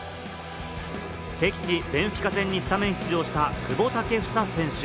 敵地・ベンフィカ戦にスタメン出場した久保建英選手。